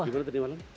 gimana tadi malam